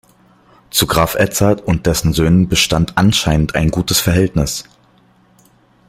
Zu Graf Edzard und dessen Söhnen bestand anscheinend ein gutes Verhältnis.